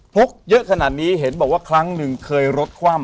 กเยอะขนาดนี้เห็นบอกว่าครั้งหนึ่งเคยรถคว่ำ